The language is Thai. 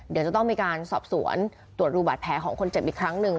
เดี๋ยวจะต้องมีการสอบสวนตรวจดูบาดแผลของคนเจ็บอีกครั้งหนึ่ง